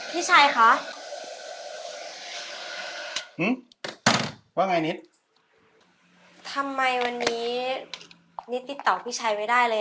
พี่ชัยคะว่าไงนิดทำไมวันนี้นิดติดต่อพี่ชัยไว้ได้เลย